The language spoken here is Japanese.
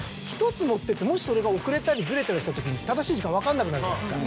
１つ持ってってもしそれが遅れたりズレたりしたときに正しい時間分かんなくなるじゃないですか。